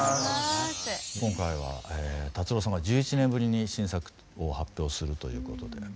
今回は達郎さんが１１年ぶりに新作を発表するということで。